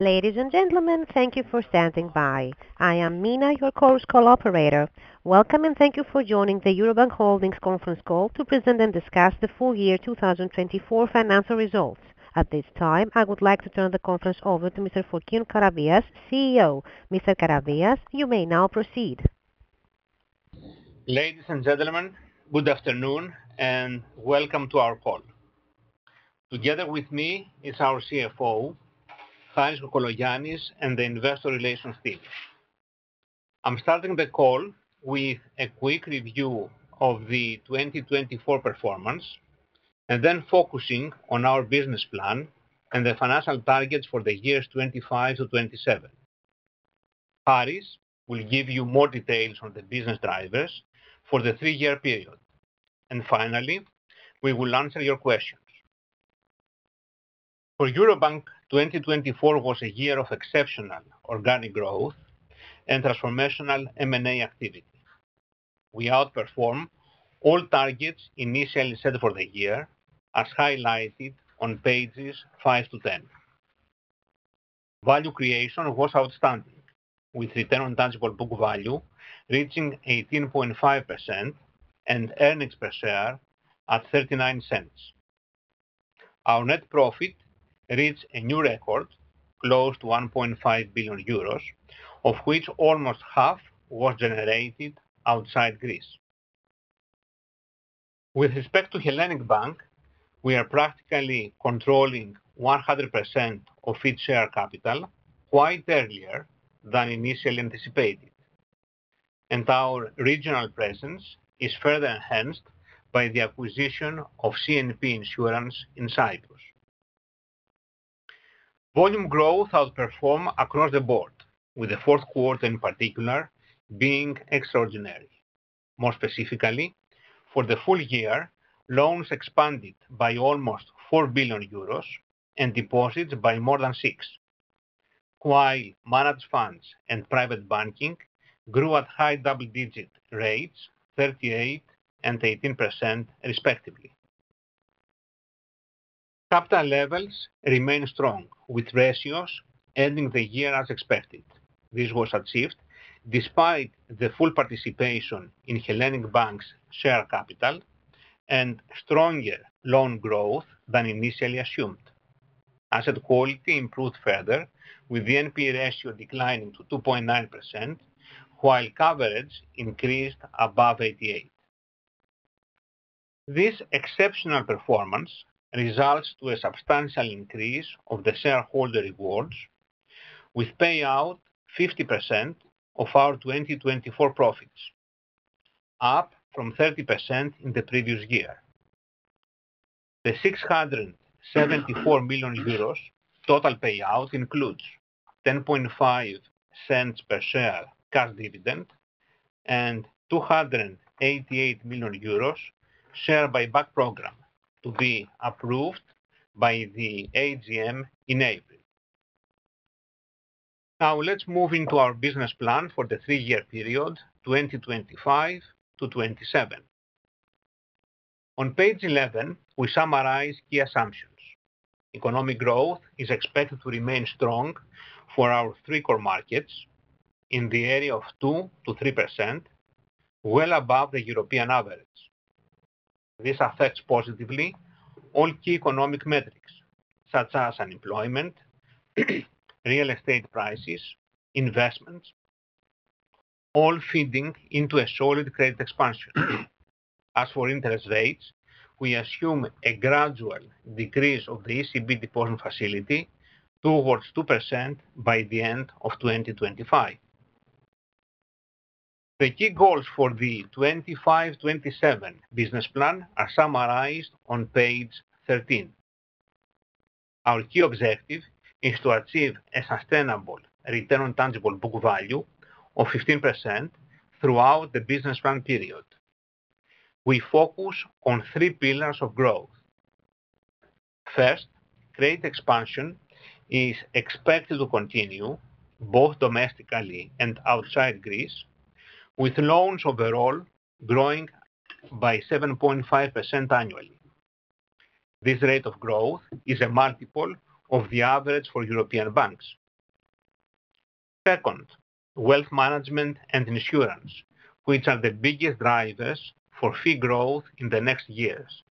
Ladies and gentlemen, thank you for standing by. I am Mina, your conference operator. Welcome and thank you for joining the Eurobank Holdings conference call to present and discuss the full year 2024 financial results. At this time, I would like to turn the conference over to Mr. Fokion Karavias, CEO. Mr. Karavias, you may now proceed. Ladies and gentlemen, good afternoon and welcome to our call. Together with me is our CFO, Harris Kokologiannis, and the investor relations team. I'm starting the call with a quick review of the 2024 performance and then focusing on our business plan and the financial targets for the years 2025 to 2027. Harris will give you more details on the business drivers for the three-year period. And finally, we will answer your questions. For Eurobank, 2024 was a year of exceptional organic growth and transformational M&A activity. We outperformed all targets initially set for the year, as highlighted on pages 5 to 10. Value creation was outstanding, with return on tangible book value reaching 18.5% and earnings per share at 0.39. Our net profit reached a new record, close to 1.5 billion euros, of which almost half was generated outside Greece. With respect to Hellenic Bank, we are practically controlling 100% of its share capital quite earlier than initially anticipated, and our regional presence is further enhanced by the acquisition of CNP Insurance in Cyprus. Volume growth outperformed across the board, with the Q4 in particular being extraordinary. More specifically, for the full year, loans expanded by almost 4 billion euros and deposits by more than 6 billion, while managed funds and private banking grew at high double-digit rates, 38% and 18% respectively. Capital levels remained strong, with ratios ending the year as expected. This was achieved despite the full participation in Hellenic Bank's share capital and stronger loan growth than initially assumed. Asset quality improved further, with the NPE ratio declining to 2.9%, while coverage increased above 88%. This exceptional performance results in a substantial increase of the shareholder rewards, with payout 50% of our 2024 profits, up from 30% in the previous year. The 674 million euros total payout includes 0.105 per share cash dividend and 288 million euros share buyback program to be approved by the AGM in April. Now, let's move into our business plan for the three-year period, 2025 to 2027. On page 11, we summarize key assumptions. Economic growth is expected to remain strong for our three core markets in the area of 2-3%, well above the European average. This affects positively all key economic metrics, such as unemployment, real estate prices, and investments, all feeding into a solid credit expansion. As for interest rates, we assume a gradual decrease of the ECB deposit facility towards 2% by the end of 2025. The key goals for the 2025-2027 business plan are summarized on page 13. Our key objective is to achieve a sustainable return on tangible book value of 15% throughout the business plan period. We focus on three pillars of growth. First, credit expansion is expected to continue both domestically and outside Greece, with loans overall growing by 7.5% annually. This rate of growth is a multiple of the average for European banks. Second, wealth management and insurance, which are the biggest drivers for fee growth in the next years,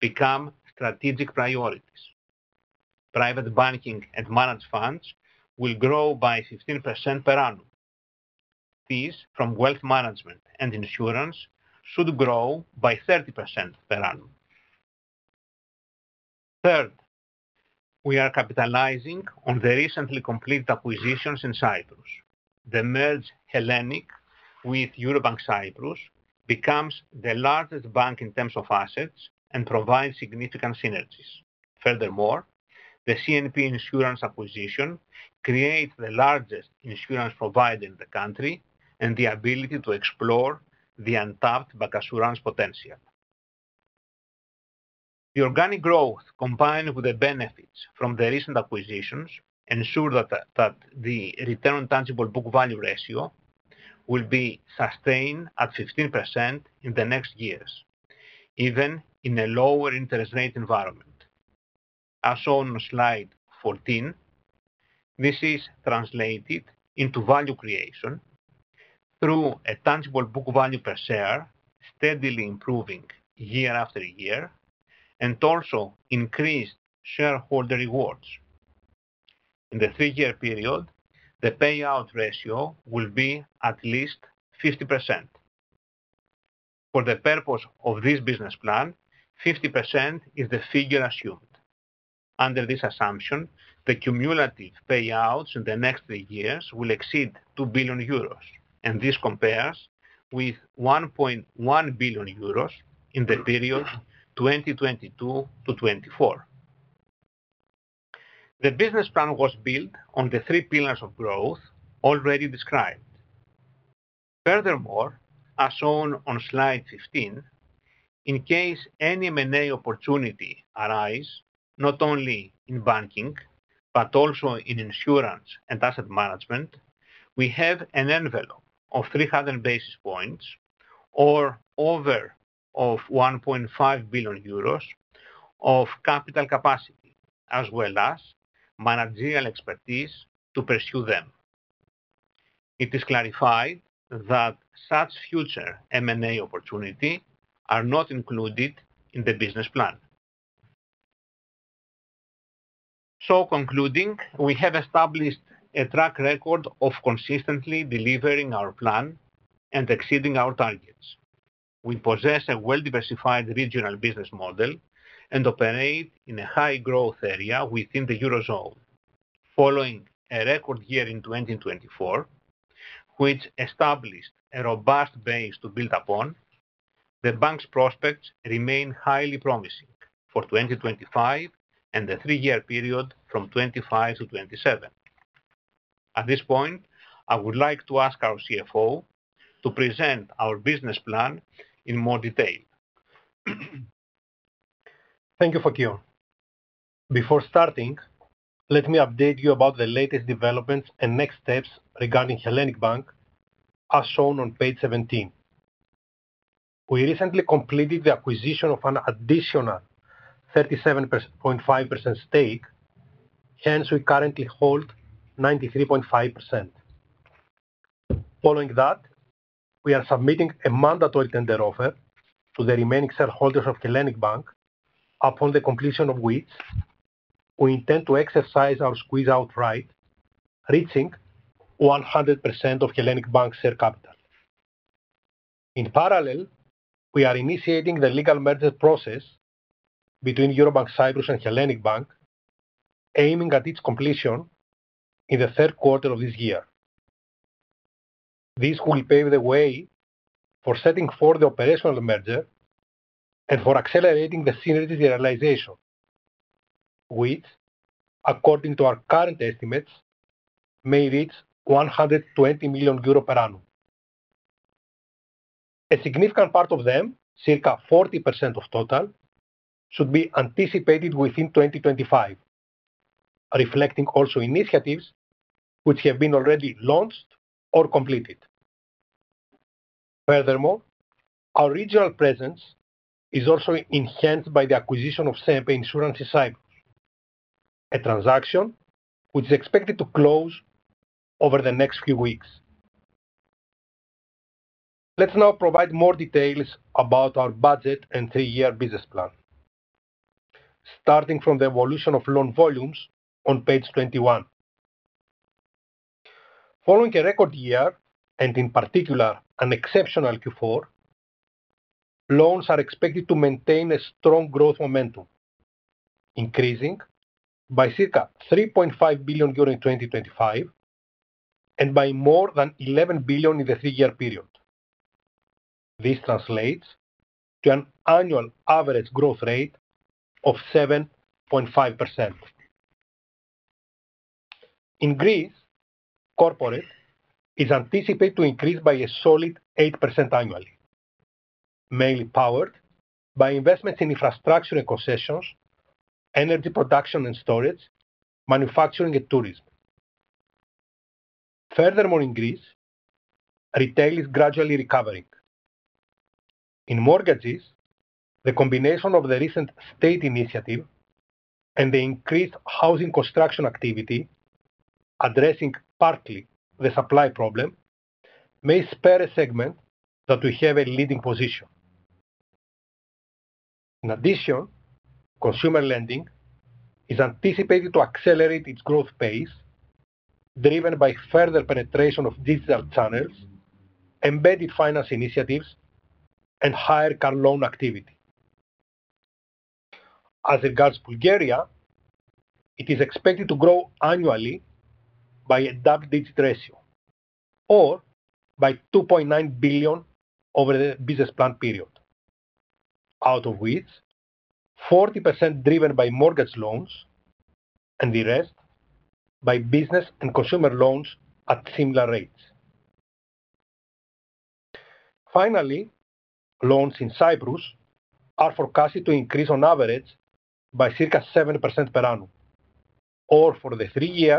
become strategic priorities. Private banking and managed funds will grow by 15% per annum. Fees from wealth management and insurance should grow by 30% per annum. Third, we are capitalizing on the recently completed acquisitions in Cyprus. The merger of Hellenic with Eurobank Cyprus becomes the largest bank in terms of assets and provides significant synergies. Furthermore, the CNP insurance acquisition creates the largest insurance provider in the country and the ability to explore the untapped bancassurance potential. The organic growth, combined with the benefits from the recent acquisitions, ensures that the return on tangible book value ratio will be sustained at 15% in the next years, even in a lower interest rate environment. As shown on slide 14, this is translated into value creation through a tangible book value per share steadily improving year after year and also increased shareholder rewards. In the three-year period, the payout ratio will be at least 50%. For the purpose of this business plan, 50% is the figure assumed. Under this assumption, the cumulative payouts in the next three years will exceed 2 billion euros, and this compares with 1.1 billion euros in the period 2022 to 2024. The business plan was built on the three pillars of growth already described. Furthermore, as shown on slide 15, in case any M&A opportunity arises, not only in banking but also in insurance and asset management, we have an envelope of 300 basis points or over of 1.5 billion euros of capital capacity, as well as managerial expertise to pursue them. It is clarified that such future M&A opportunities are not included in the business plan. So, concluding, we have established a track record of consistently delivering our plan and exceeding our targets. We possess a well-diversified regional business model and operate in a high-growth area within the Eurozone. Following a record year in 2024, which established a robust base to build upon, the bank's prospects remain highly promising for 2025 and the three-year period from 2025 to 2027. At this point, I would like to ask our CFO to present our business plan in more detail. Thank you, Fokion. Before starting, let me update you about the latest developments and next steps regarding Hellenic Bank, as shown on page 17. We recently completed the acquisition of an additional 37.5% stake. Hence, we currently hold 93.5%. Following that, we are submitting a mandatory tender offer to the remaining shareholders of Hellenic Bank, upon the completion of which we intend to exercise our squeeze-out right, reaching 100% of Hellenic Bank's share capital. In parallel, we are initiating the legal merger process between Eurobank Cyprus and Hellenic Bank, aiming at its completion in the third quarter of this year. This will pave the way for setting forth the operational merger and for accelerating the synergy realization, which, according to our current estimates, may reach 120 million euros per annum. A significant part of them, circa 40% of total, should be anticipated within 2025, reflecting also initiatives which have been already launched or completed. Furthermore, our regional presence is also enhanced by the acquisition of CNP Insurance in Cyprus, a transaction which is expected to close over the next few weeks. Let's now provide more details about our budget and three-year business plan, starting from the evolution of loan volumes on page 21. Following a record year and, in particular, an exceptional Q4, loans are expected to maintain a strong growth momentum, increasing by circa 3.5 billion euro in 2025 and by more than 11 billion in the three-year period. This translates to an annual average growth rate of 7.5%. In Greece, corporate is anticipated to increase by a solid 8% annually, mainly powered by investments in infrastructure and concessions, energy production and storage, manufacturing, and tourism. Furthermore, in Greece, retail is gradually recovering. In mortgages, the combination of the recent state initiative and the increased housing construction activity, addressing partly the supply problem, may serve a segment that we have a leading position. In addition, consumer lending is anticipated to accelerate its growth pace, driven by further penetration of digital channels, embedded finance initiatives, and higher car loan activity. As regards Bulgaria, it is expected to grow annually by a double-digit ratio or by 2.9 billion over the business plan period, out of which 40% driven by mortgage loans and the rest by business and consumer loans at similar rates. Finally, loans in Cyprus are forecasted to increase on average by circa 7% per annum or, for the three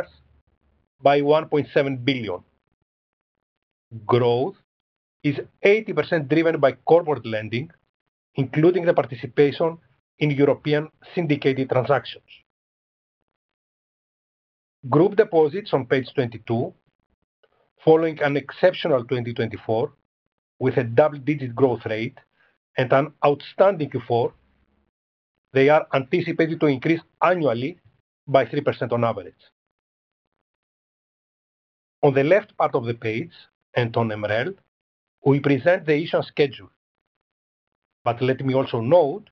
years, by 1.7 billion. Growth is 80% driven by corporate lending, including the participation in European syndicated transactions. Group deposits, on page 22, following an exceptional 2024 with a double-digit growth rate and an outstanding Q4, they are anticipated to increase annually by 3% on average. On the left part of the page, MREL, we present the issue schedule, but let me also note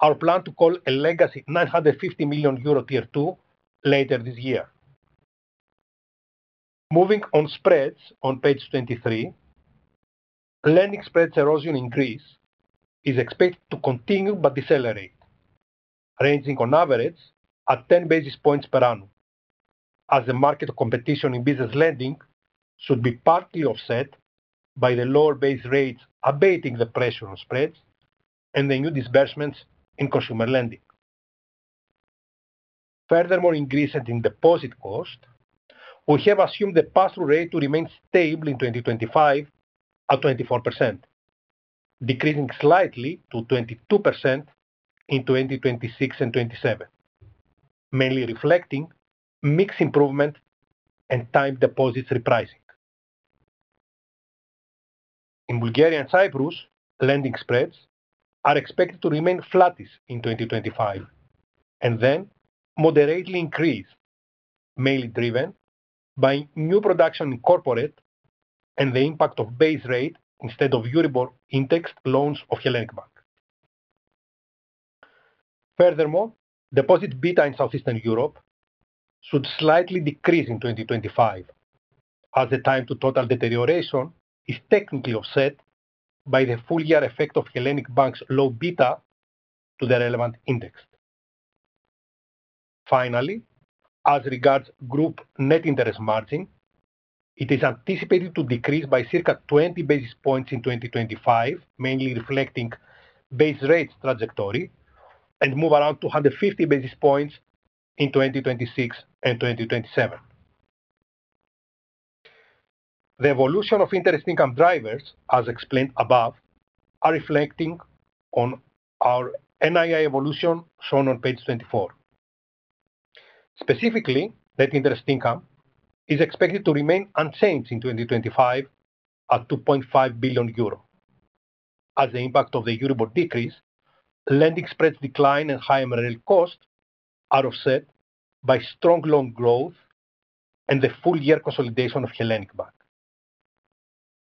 our plan to call a legacy 950 million euro Tier II later this year. Moving on spreads, on page 23, lending spreads erosion in Greece is expected to continue but decelerate, ranging on average at 10 basis points per annum, as the market competition in business lending should be partly offset by the lower base rates abating the pressure on spreads and the new disbursements in consumer lending. Furthermore, in Greece setting deposit cost, we have assumed the pass-through rate to remain stable in 2025 at 24%, decreasing slightly to 22% in 2026 and 2027, mainly reflecting mixed improvement and time deposits repricing. In Bulgaria and Cyprus, lending spreads are expected to remain flat in 2025 and then moderately increase, mainly driven by new production in corporate and the impact of base rate instead of Euribor indexed loans of Hellenic Bank. Furthermore, deposit beta in Southeastern Europe should slightly decrease in 2025, as the time to total deterioration is technically offset by the full year effect of Hellenic Bank's low beta to the relevant index. Finally, as regards group net interest margin, it is anticipated to decrease by circa 20 basis points in 2025, mainly reflecting base rate trajectory, and move around 250 basis points in 2026 and 2027. The evolution of interest income drivers, as explained above, are reflecting on our NII evolution shown on page 24. Specifically, net interest income is expected to remain unchanged in 2025 at 2.5 billion euro, as the impact of the Euribor decrease, lending spreads decline, and higher merit cost are offset by strong loan growth and the full year consolidation of Hellenic Bank.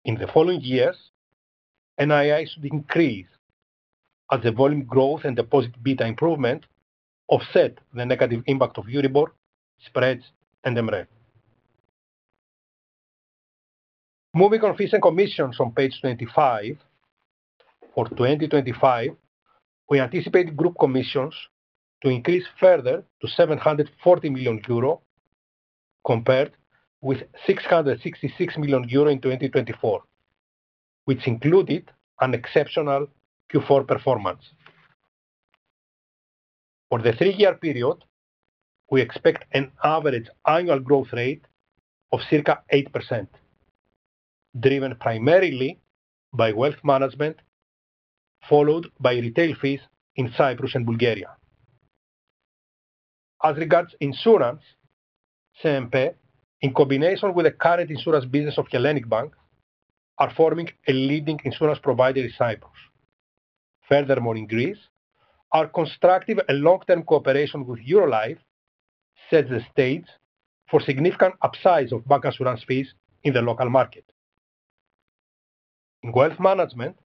In the following years, NII should increase as the volume growth and deposit beta improvement offset the negative impact of Euribor spreads and MREL. Moving on fees and commissions on page 25, for 2025, we anticipate group commissions to increase further to 740 million euro, compared with 666 million euro in 2024, which included an exceptional Q4 performance. For the three-year period, we expect an average annual growth rate of circa 8%, driven primarily by wealth management, followed by retail fees in Cyprus and Bulgaria. As regards insurance, CNP, in combination with the current insurance business of Hellenic Bank, are forming a leading insurance provider in Cyprus. Furthermore, in Greece, our constructive and long-term cooperation with Eurolife sets the stage for significant upside of bancassurance fees in the local market. In wealth management,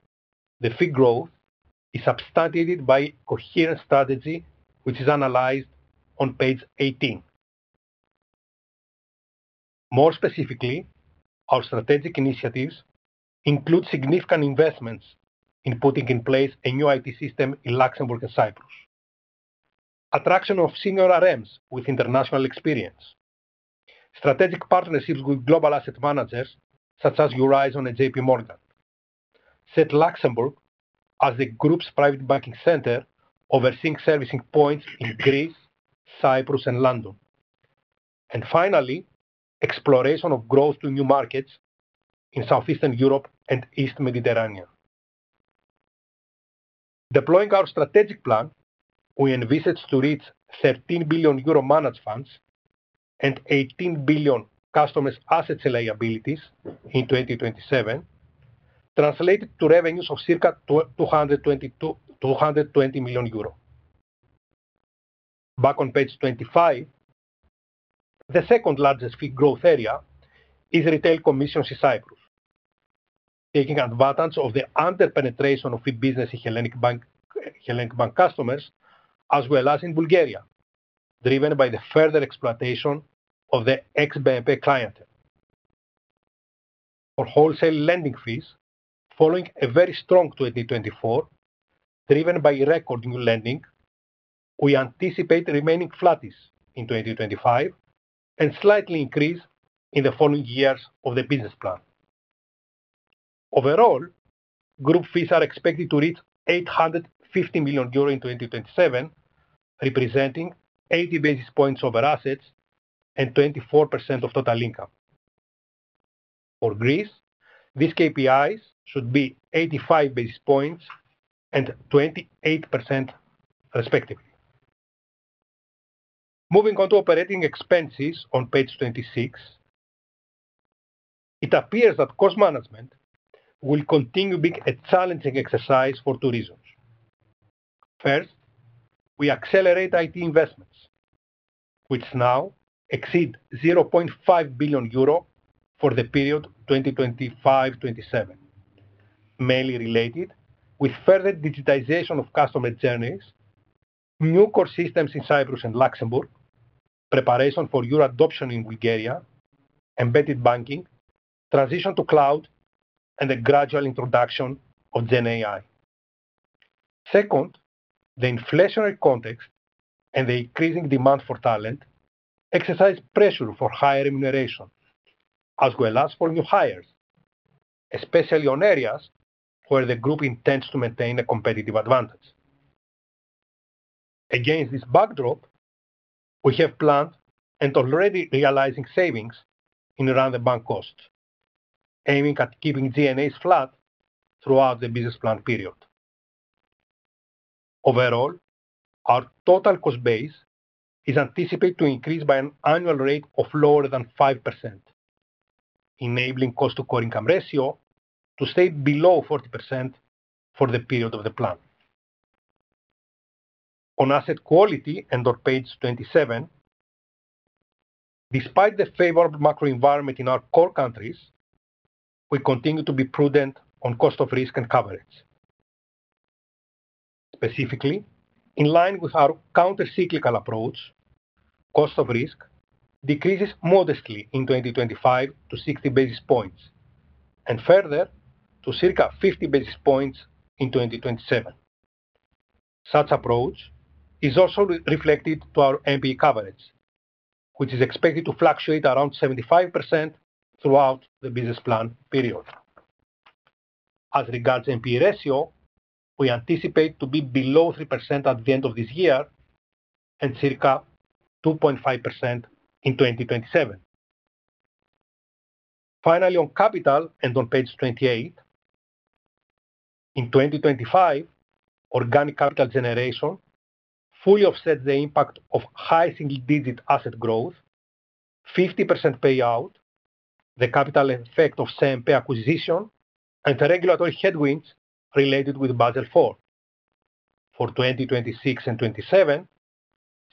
the fee growth is substantiated by a coherent strategy, which is analyzed on page 18. More specifically, our strategic initiatives include significant investments in putting in place a new IT system in Luxembourg and Cyprus, attraction of senior RMs with international experience, strategic partnerships with global asset managers such as Eurizon and J.P. Morgan, set Luxembourg as the group's private banking center overseeing servicing points in Greece, Cyprus, and London, and finally, exploration of growth to new markets in Southeastern Europe and East Mediterranean. Deploying our strategic plan, we envisage to reach 13 billion euro managed funds and 18 billion customers' assets and liabilities in 2027, translated to revenues of circa 220 million euros. Back on page 25, the second largest fee growth area is retail commissions in Cyprus, taking advantage of the under-penetration of fee business in Hellenic Bank customers, as well as in Bulgaria, driven by the further exploitation of the ex-BNP clientele. For wholesale lending fees, following a very strong 2024, driven by record new lending, we anticipate remaining flatish in 2025 and slightly increase in the following years of the business plan. Overall, group fees are expected to reach 850 million euro in 2027, representing 80 basis points over assets and 24% of total income. For Greece, these KPIs should be 85 basis points and 28%, respectively. Moving on to operating expenses on page 26, it appears that cost management will continue being a challenging exercise for two reasons. First, we accelerate IT investments, which now exceed 0.5 billion euro for the period 2025-2027, mainly related with further digitization of customer journeys, new core systems in Cyprus and Luxembourg, preparation for euro adoption in Bulgaria, embedded banking, transition to cloud, and a gradual introduction of GenAI. Second, the inflationary context and the increasing demand for talent exercise pressure for higher remuneration, as well as for new hires, especially on areas where the group intends to maintain a competitive advantage. Against this backdrop, we have planned and already realizing savings in non-branch costs, aiming at keeping G&As flat throughout the business plan period. Overall, our total cost base is anticipated to increase by an annual rate of lower than 5%, enabling cost-to-core income ratio to stay below 40% for the period of the plan. On asset quality, and on page 27, despite the favorable macro environment in our core countries, we continue to be prudent on cost of risk and coverage. Specifically, in line with our countercyclical approach, cost of risk decreases modestly in 2025 to 60 basis points and further to circa 50 basis points in 2027. Such approach is also reflected to our NPE coverage, which is expected to fluctuate around 75% throughout the business plan period. As regards NPE ratio, we anticipate to be below 3% at the end of this year and circa 2.5% in 2027. Finally, on capital and on page 28, in 2025, organic capital generation fully offsets the impact of high single-digit asset growth, 50% payout, the capital effect of CNP acquisition, and the regulatory headwinds related with Basel IV. For 2026 and 2027,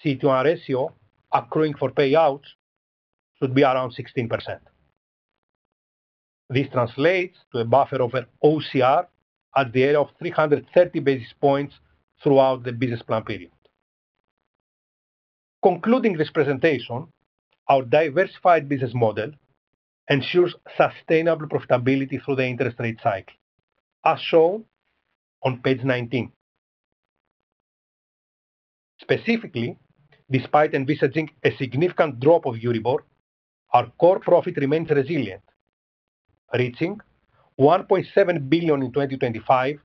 CET1 ratio accruing for payouts should be around 16%. This translates to a buffer over OCR at the area of 330 basis points throughout the business plan period. Concluding this presentation, our diversified business model ensures sustainable profitability through the interest rate cycle, as shown on page 19. Specifically, despite envisaging a significant drop of Euribor, our core profit remains resilient, reaching 1.7 billion in 2025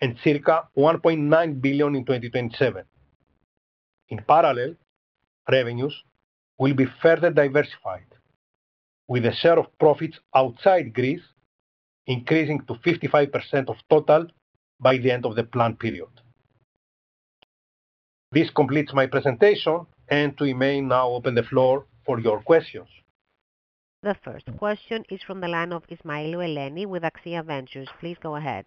and circa 1.9 billion in 2027. In parallel, revenues will be further diversified, with the share of profits outside Greece increasing to 55% of total by the end of the plan period. This completes my presentation, and we may now open the floor for your questions. The first question is from the line of Eleni Ismailou with Axia Ventures. Please go ahead.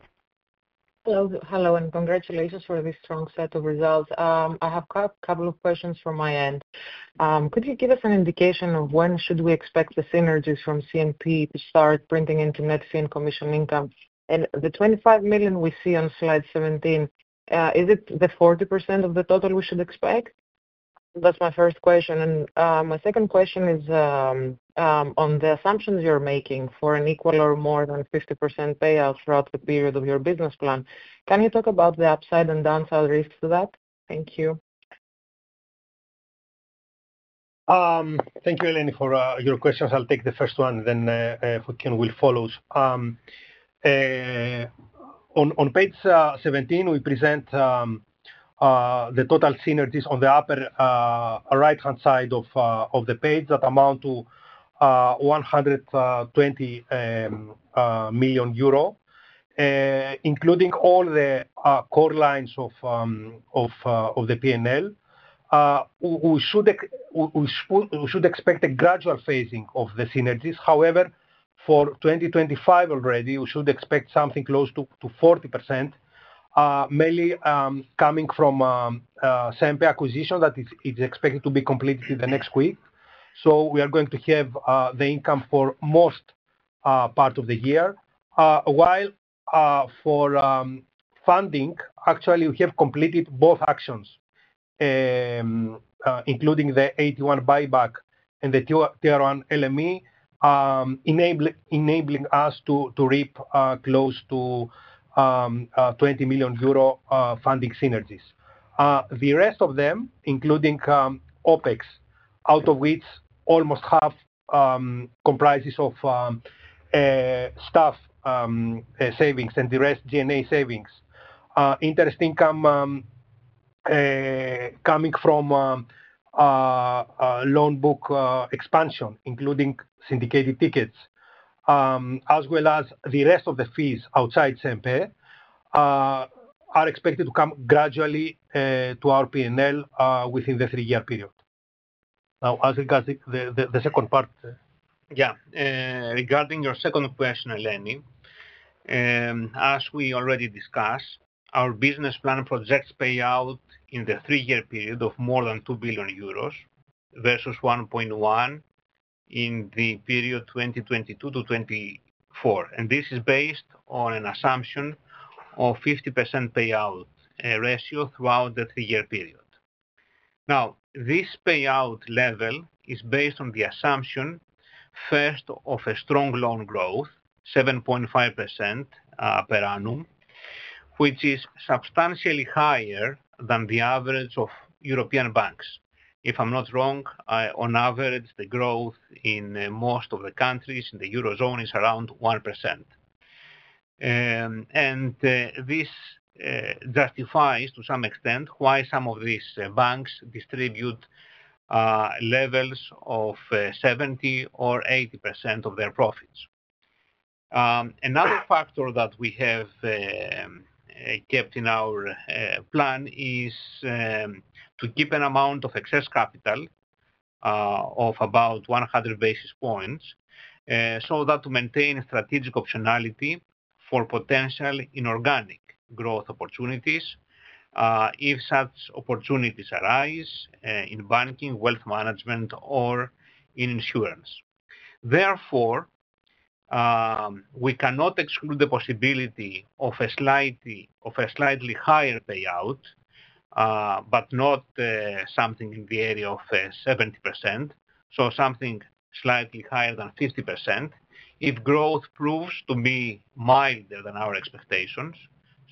Hello, and congratulations for this strong set of results. I have a couple of questions from my end. Could you give us an indication of when should we expect the synergies from CNP to start printing into net fee and commission income? And the 25 million EUR we see on slide 17, is it the 40% of the total we should expect? That's my first question. And my second question is on the assumptions you're making for an equal or more than 50% payout throughout the period of your business plan. Can you talk about the upside and downside risks to that? Thank you. Thank you, Eleni, for your questions. I'll take the first one, and then Fokion will follow. On page 17, we present the total synergies on the upper right-hand side of the page that amount to 120 million EUR, including all the core lines of the P&L. We should expect a gradual phasing of the synergies. However, for 2025 already, we should expect something close to 40%, mainly coming from CNP acquisition that is expected to be completed in the next week. So we are going to have the income for most part of the year. While for funding, actually, we have completed both actions, including the 81 buyback and the Tier I LME, enabling us to reap close to 20 million euro funding synergies. The rest of them, including OpEx, out of which almost half comprises of staff savings and the rest G&A savings, interest income coming from loan book expansion, including syndicated tickets, as well as the rest of the fees outside CNP are expected to come gradually to our P&L within the three-year period. Now, as regards the second part. Yeah. Regarding your second question, Eleni, as we already discussed, our business plan projects payout in the three-year period of more than 2 billion euros versus 1.1 billion in the period 2022 to 2024. And this is based on an assumption of 50% payout ratio throughout the three-year period. Now, this payout level is based on the assumption first of a strong loan growth, 7.5% per annum, which is substantially higher than the average of European banks. If I'm not wrong, on average, the growth in most of the countries in the eurozone is around 1%. And this justifies to some extent why some of these banks distribute levels of 70 or 80% of their profits. Another factor that we have kept in our plan is to keep an amount of excess capital of about 100 basis points so that to maintain strategic optionality for potential inorganic growth opportunities if such opportunities arise in banking, wealth management, or in insurance. Therefore, we cannot exclude the possibility of a slightly higher payout, but not something in the area of 70%, so something slightly higher than 50% if growth proves to be milder than our expectations.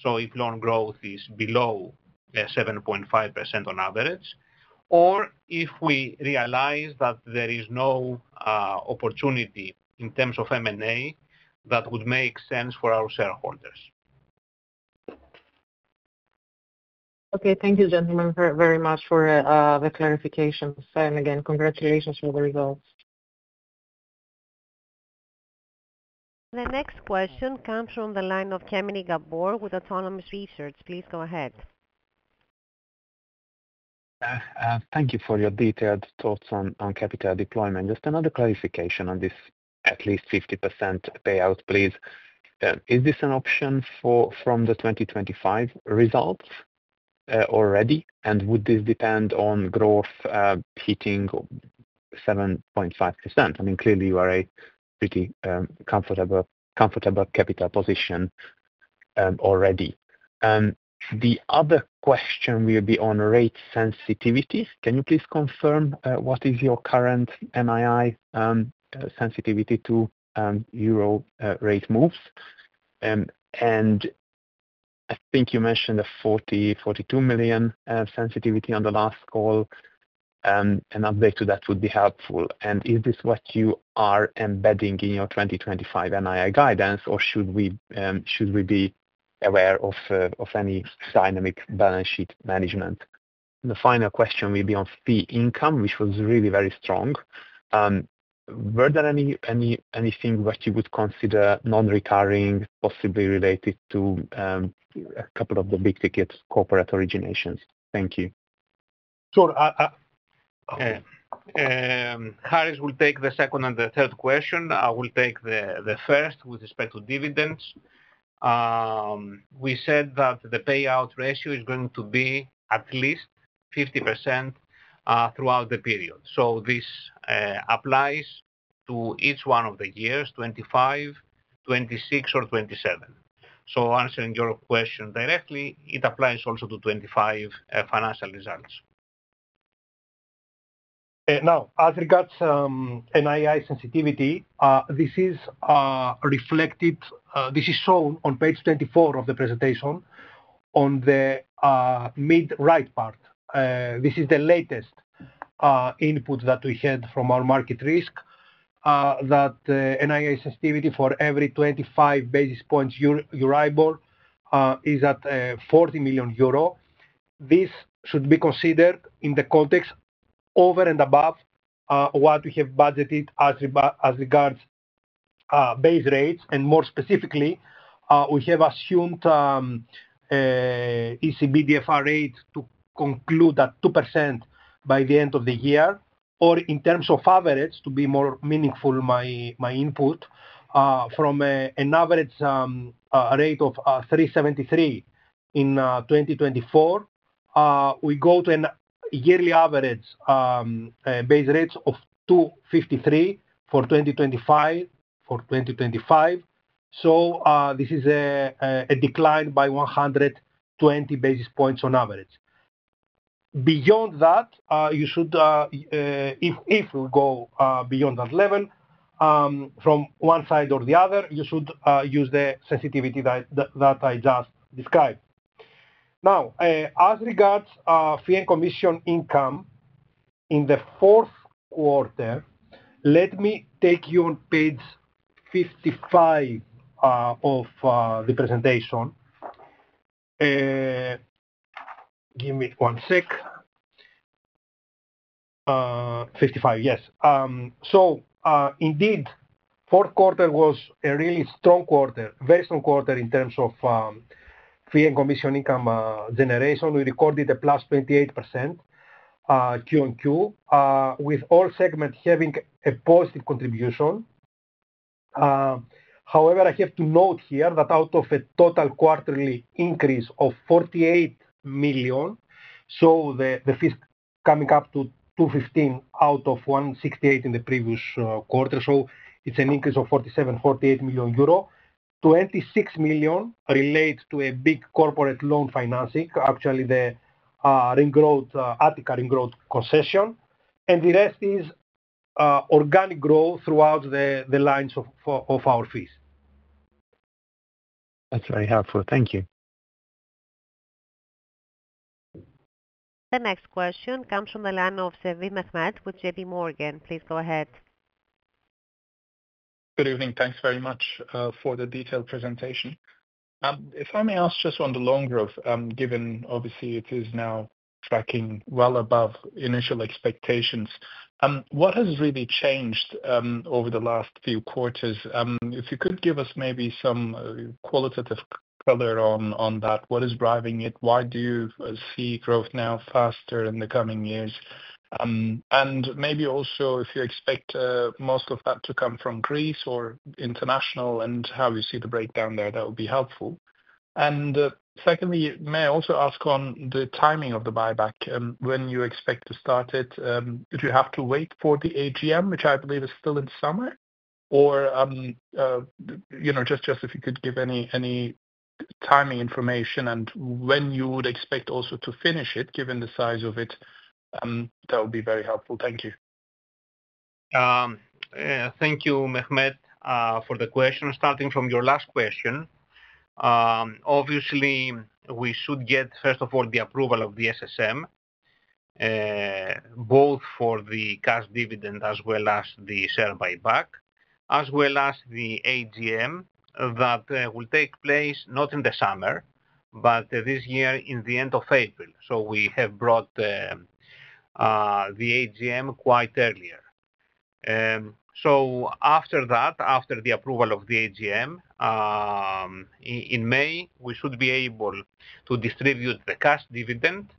So if loan growth is below 7.5% on average, or if we realize that there is no opportunity in terms of M&A that would make sense for our shareholders. Okay. Thank you, gentlemen, very much for the clarifications. And again, congratulations for the results. The next question comes from the line of Gabor Kemeny with Autonomous Research. Please go ahead. Thank you for your detailed thoughts on capital deployment. Just another clarification on this at least 50% payout, please. Is this an option from the 2025 results already? And would this depend on growth hitting 7.5%? I mean, clearly, you are a pretty comfortable capital position already. The other question will be on rate sensitivity. Can you please confirm what is your current NII sensitivity to euro rate moves? And I think you mentioned a 40-42 million sensitivity on the last call. An update to that would be helpful. And is this what you are embedding in your 2025 NII guidance, or should we be aware of any dynamic balance sheet management? The final question will be on fee income, which was really very strong. Were there anything that you would consider non-recurring, possibly related to a couple of the big ticket corporate originations? Thank you. Sure. Harris will take the second and the third question. I will take the first with respect to dividends. We said that the payout ratio is going to be at least 50% throughout the period. So this applies to each one of the years, 2025, 2026, or 2027. So answering your question directly, it applies also to 2025 financial results. Now, as regards NII sensitivity, this is shown on page 24 of the presentation on the mid-right part. This is the latest input that we had from our market risk that NII sensitivity for every 25 basis points Euribor is at 40 million euro. This should be considered in the context over and above what we have budgeted as regards base rates. And more specifically, we have assumed ECB DFR rate to conclude at 2% by the end of the year, or in terms of average, to be more meaningful, my input from an average rate of 373 in 2024, we go to a yearly average base rate of 253 for 2025. So this is a decline by 120 basis points on average. Beyond that, if we go beyond that level from one side or the other, you should use the sensitivity that I just described. Now, as regards fee and commission income in the Q4, let me take you on page 55 of the presentation. Give me one sec. 55, yes. So indeed, Q4 was a really strong quarter, very strong quarter in terms of fee and commission income generation. We recorded a plus 28% Q on Q, with all segments having a positive contribution. However, I have to note here that out of a total quarterly increase of 48 million, so the fees coming up to 215 from 168 in the previous quarter, so it's an increase of 47-48 million euro. 26 million relate to a big corporate loan financing, actually the Attica Ring Road concession. And the rest is organic growth throughout the lines of our fees. That's very helpful. Thank you. The next question comes from the line of Mehmet Sevim with J.P. Morgan. Please go ahead. Good evening. Thanks very much for the detailed presentation. If I may ask just on the loan growth, given obviously it is now tracking well above initial expectations, what has really changed over the last few quarters? If you could give us maybe some qualitative color on that, what is driving it? Why do you see growth now faster in the coming years? And maybe also if you expect most of that to come from Greece or international and how you see the breakdown there, that would be helpful. And secondly, may I also ask on the timing of the buyback? When you expect to start it? Do you have to wait for the AGM, which I believe is still in summer? Or just if you could give any timing information and when you would expect also to finish it, given the size of it, that would be very helpful. Thank you. Thank you, Mehmet, for the question. Starting from your last question, obviously, we should get, first of all, the approval of the SSM, both for the cash dividend as well as the share buyback, as well as the AGM that will take place not in the summer, but this year in the end of April. We have brought the AGM quite earlier. After that, after the approval of the AGM in May, we should be able to distribute the cash dividend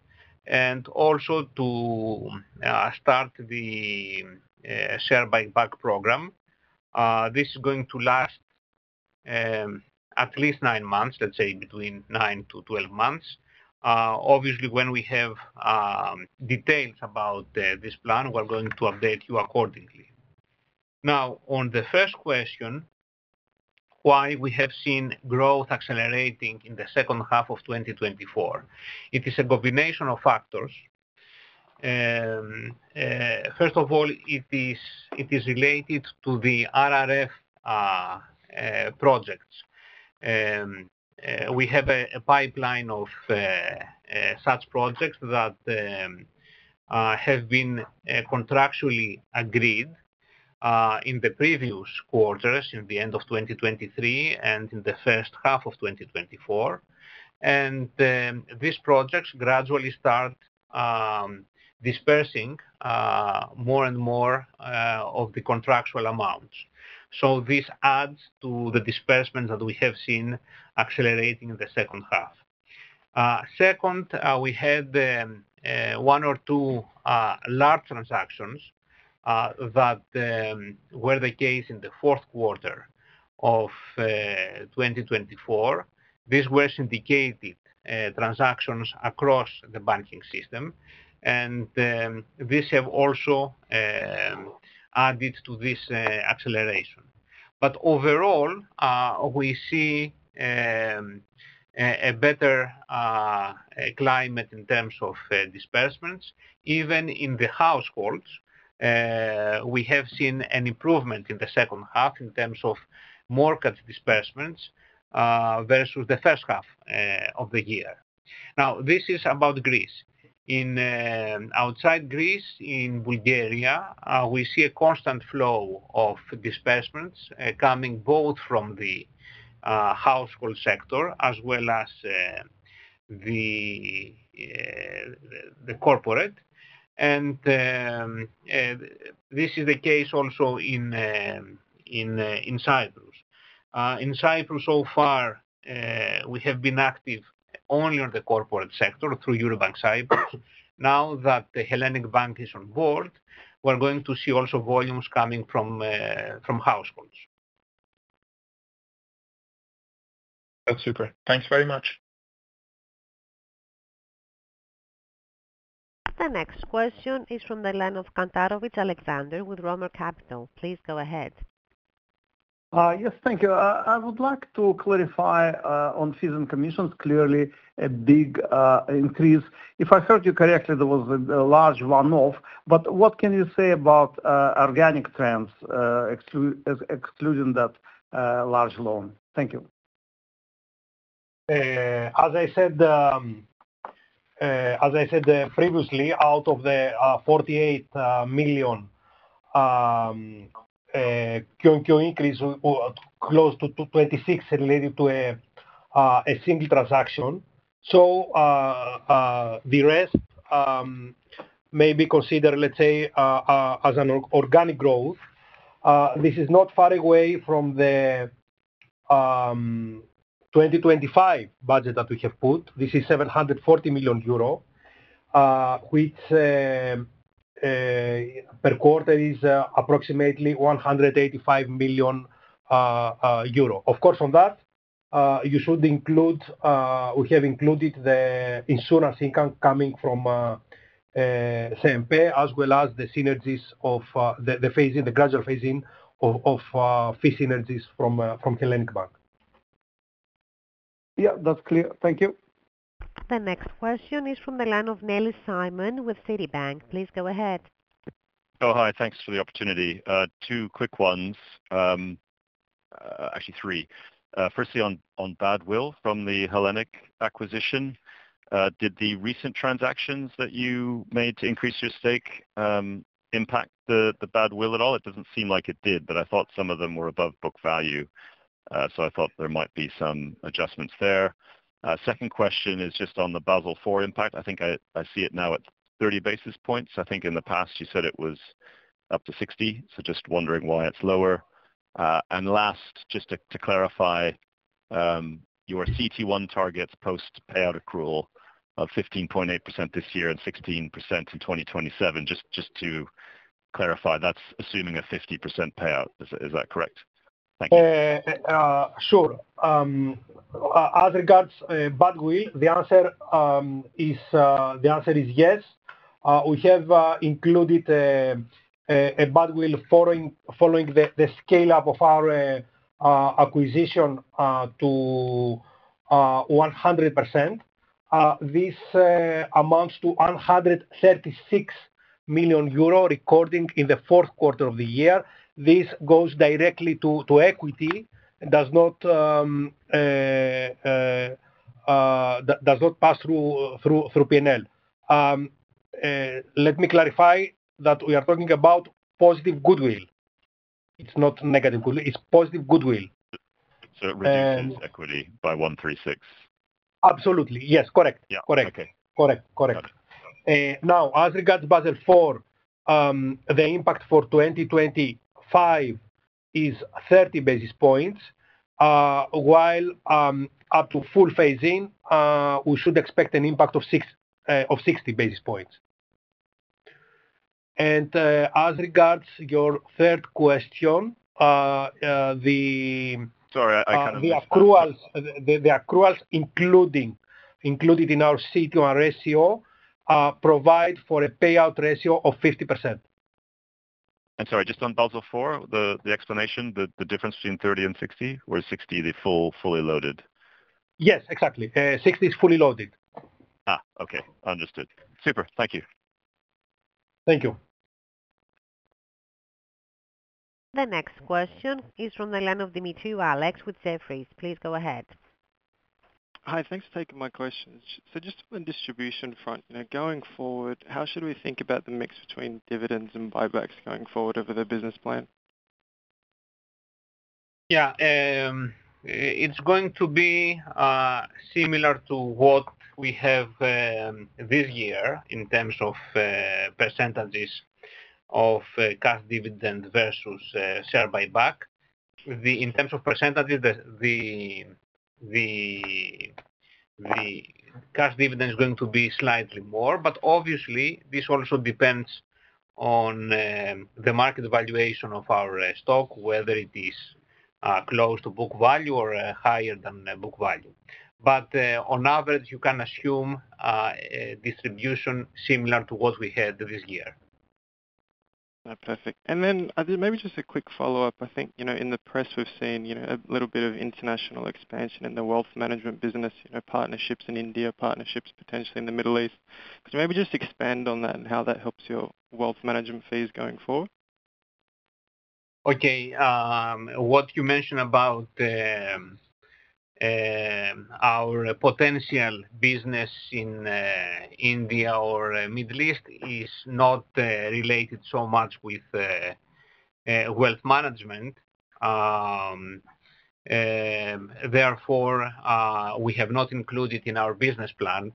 and also to start the share buyback program. This is going to last at least nine months, let's say between nine to 12 months. Obviously, when we have details about this plan, we're going to update you accordingly. Now, on the first question, why we have seen growth accelerating in the second half of 2024? It is a combination of factors. First of all, it is related to the RRF projects. We have a pipeline of such projects that have been contractually agreed in the previous quarters, in the end of 2023 and in the first half of 2024, and these projects gradually start disbursing more and more of the contractual amounts. This adds to the disbursements that we have seen accelerating in the second half. Second, we had one or two large transactions that were the case in the Q4 of 2024. These were syndicated transactions across the banking system. And this has also added to this acceleration. But overall, we see a better climate in terms of disbursements. Even in the households, we have seen an improvement in the second half in terms of mortgage disbursements versus the first half of the year. Now, this is about Greece. Outside Greece, in Bulgaria, we see a constant flow of disbursements coming both from the household sector as well as the corporate. And this is the case also in Cyprus. In Cyprus, so far, we have been active only on the corporate sector through Eurobank Cyprus. Now that the Hellenic Bank is on board, we're going to see also volumes coming from households. That's super. Thanks very much. The next question is from the line of Alexander Kantarovich with Roemer Capital. Please go ahead. Yes, thank you. I would like to clarify on fees and commissions, clearly a big increase. If I heard you correctly, there was a large one-off. But what can you say about organic trends, excluding that large loan? Thank you. As I said previously, out of the EUR 48 million, Q on Q increased close to 26 related to a single transaction. So the rest may be considered, let's say, as an organic growth. This is not far away from the 2025 budget that we have put. This is 740 million euro, which per quarter is approximately 185 million euro. Of course, on that, we have included the insurance income coming from CNP as well as the synergies of the gradual phasing of fee synergies from Hellenic Bank. Yeah, that's clear. Thank you. The next question is from the line of Simon Nellis with Citibank. Please go ahead. Oh, hi. Thanks for the opportunity. Two quick ones, actually three. Firstly, on bad will from the Hellenic acquisition, did the recent transactions that you made to increase your stake impact the bad will at all? It doesn't seem like it did, but I thought some of them were above book value. So I thought there might be some adjustments there. Second question is just on the Basel IV impact. I think I see it now at 30 basis points. I think in the past, you said it was up to 60. So just wondering why it's lower. And last, just to clarify, your CET1 targets post payout accrual of 15.8% this year and 16% in 2027. Just to clarify, that's assuming a 50% payout. Is that correct? Thank you. Sure. As regards goodwill, the answer is yes. We have included a goodwill following the scale-up of our acquisition to 100%. This amounts to 136 million euro recorded in the Q4 of the year. This goes directly to equity and does not pass through P&L. Let me clarify that we are talking about positive goodwill. It's not negative goodwill. It's positive goodwill. So it reduces equity by 136. Absolutely. Yes, correct. Correct. Correct. Correct. Now, as regards Basel IV, the impact for 2025 is 30 basis points, while up to full phasing, we should expect an impact of 60 basis points. As regards your third question, the accruals included in our CET1 ratio provide for a payout ratio of 50%. I'm sorry, just on Basel IV, the explanation, the difference between 30 and 60, where 60 is fully loaded. Yes, exactly. 60 is fully loaded. Okay. Understood. Super. Thank you. Thank you. The next question is from the line of Alex Demetriou with Jefferies. Please go ahead. Hi, thanks for taking my question. So just on distribution front, going forward, how should we think about the mix between dividends and buybacks going forward over the business plan? Yeah. It's going to be similar to what we have this year in terms of percentages of cash dividend versus share buyback. In terms of percentages, the cash dividend is going to be slightly more. But obviously, this also depends on the market valuation of our stock, whether it is close to book value or higher than book value. But on average, you can assume distribution similar to what we had this year. That's perfect. And then maybe just a quick follow-up. I think in the press, we've seen a little bit of international expansion in the wealth management business, partnerships in India, partnerships potentially in the Middle East. Could you maybe just expand on that and how that helps your wealth management fees going forward? Okay. What you mentioned about our potential business in India or Middle East is not related so much with wealth management. Therefore, we have not included in our business plan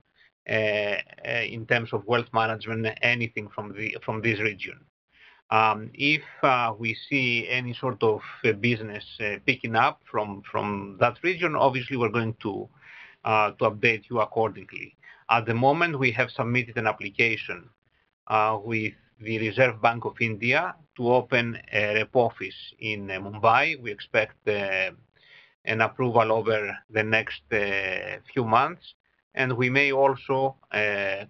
in terms of wealth management anything from this region. If we see any sort of business picking up from that region, obviously, we're going to update you accordingly. At the moment, we have submitted an application with the Reserve Bank of India to open a rep office in Mumbai. We expect an approval over the next few months. We may also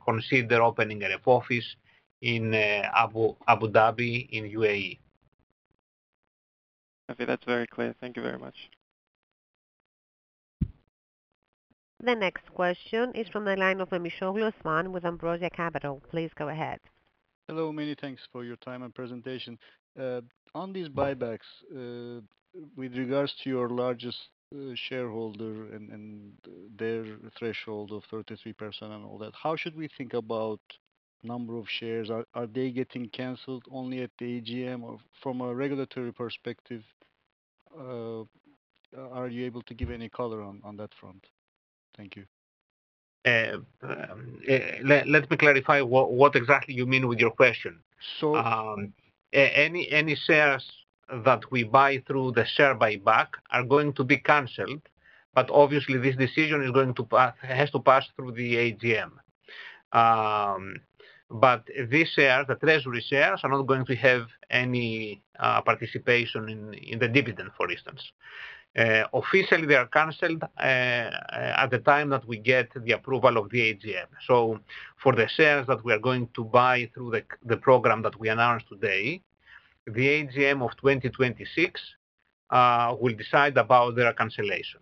consider opening a rep office in Abu Dhabi in UAE. Okay. That's very clear. Thank you very much. The next question is from the line of Osman Memisoglu with Ambrosia Capital. Please go ahead. Hello, many thanks for your time and presentation. On these buybacks, with regards to your largest shareholder and their threshold of 33% and all that, how should we think about number of shares? Are they getting canceled only at the AGM? Or from a regulatory perspective, are you able to give any color on that front? Thank you. Let me clarify what exactly you mean with your question. Any shares that we buy through the share buyback are going to be canceled. But obviously, this decision has to pass through the AGM. But these shares, the treasury shares, are not going to have any participation in the dividend, for instance. Officially, they are canceled at the time that we get the approval of the AGM. So for the shares that we are going to buy through the program that we announced today, the AGM of 2026 will decide about their cancellation.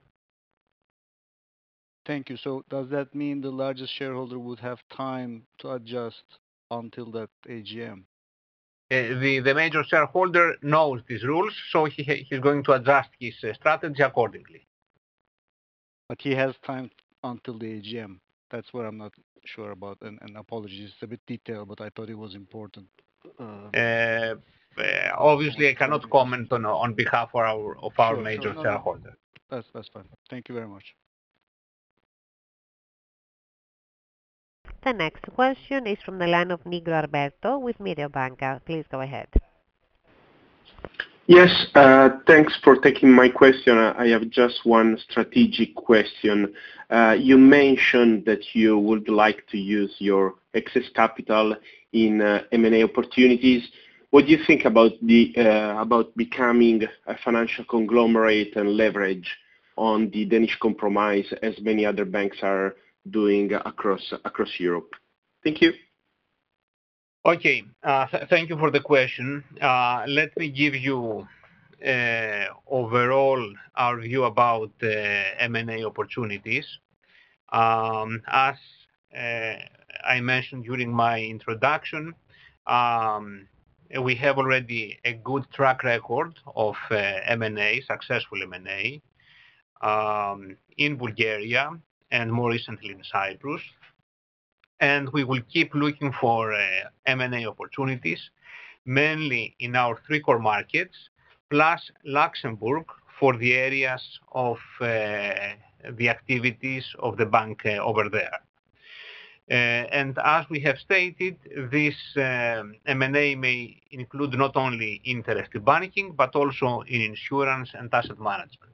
Thank you. So does that mean the largest shareholder would have time to adjust until that AGM? The major shareholder knows these rules, so he's going to adjust his strategy accordingly. But he has time until the AGM. That's what I'm not sure about. And apologies, it's a bit detailed, but I thought it was important. Obviously, I cannot comment on behalf of our major shareholder. That's fine. Thank you very much. The next question is from the line of Alberto Nigro with Mediobanca. Please go ahead. Yes. Thanks for taking my question. I have just one strategic question. You mentioned that you would like to use your excess capital in M&A opportunities. What do you think about becoming a financial conglomerate and leverage on the Danish compromise as many other banks are doing across Europe? Thank you. Okay. Thank you for the question. Let me give you overall our view about M&A opportunities. As I mentioned during my introduction, we have already a good track record of successful M&A in Bulgaria and more recently in Cyprus. And we will keep looking for M&A opportunities, mainly in our three core markets, plus Luxembourg for the areas of the activities of the bank over there. As we have stated, this M&A may include not only interest in banking but also in insurance and asset management.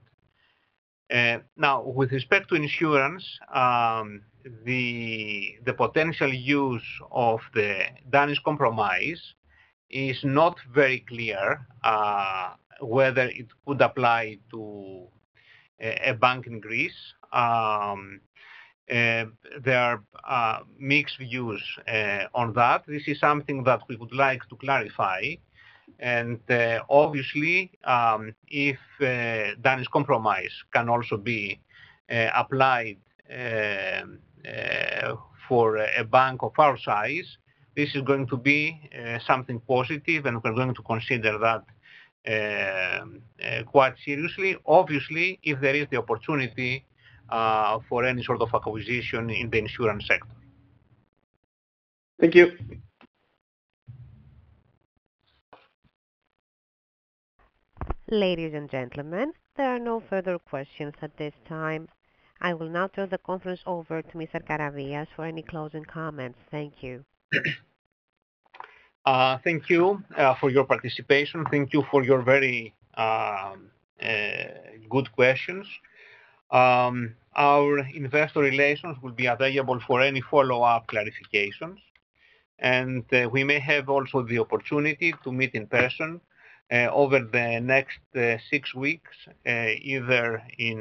Now, with respect to insurance, the potential use of the Danish Compromise is not very clear whether it would apply to a bank in Greece. There are mixed views on that. This is something that we would like to clarify. And obviously, if Danish Compromise can also be applied for a bank of our size, this is going to be something positive, and we're going to consider that quite seriously, obviously, if there is the opportunity for any sort of acquisition in the insurance sector. Thank you. Ladies and gentlemen, there are no further questions at this time. I will now turn the conference over to Mr. Karavias for any closing comments. Thank you. Thank you for your participation. Thank you for your very good questions. Our investor relations will be available for any follow-up clarifications, and we may have also the opportunity to meet in person over the next six weeks, either in.